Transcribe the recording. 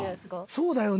そうだよね